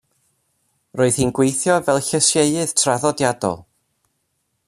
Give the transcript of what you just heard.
Roedd hi'n gweithio fel llysieuydd traddodiadol.